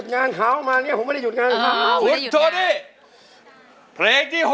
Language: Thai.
นั่นครับผมนัดหนึ่งถึงสามนะครับคุณ